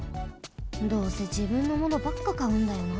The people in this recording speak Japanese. どうせじぶんのものばっかかうんだよな。